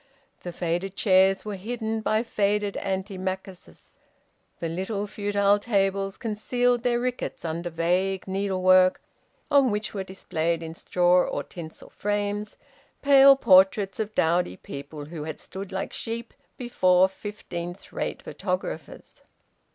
The faded chairs were hidden by faded antimacassars; the little futile tables concealed their rickets under vague needlework, on which were displayed in straw or tinsel frames pale portraits of dowdy people who had stood like sheep before fifteenth rate photographers.